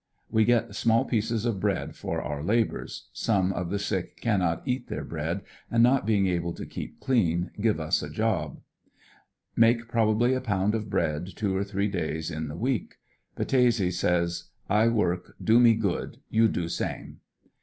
We get small pieces of bread for our labors, some of the sick cannot eat their bread, and not being able to keep clean, give us a job Make probably a pound of bread two or three days in the week. Battese says: ''I work, do me good; you do same."